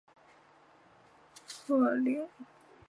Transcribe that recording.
蓬波尔。